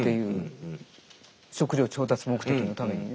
食料調達目的のためにね。